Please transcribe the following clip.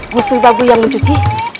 gusti babu yang mencuci